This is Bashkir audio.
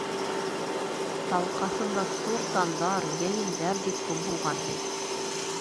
Талҡаҫында суртандар, йәйендәр бик күп булған, ти.